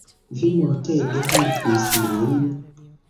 Vi multege helpis min